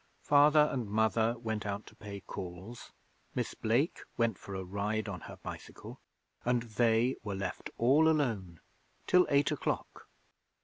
Father and Mother went out to pay calls; Miss Blake went for a ride on her bicycle, and they were left all alone till eight o'clock.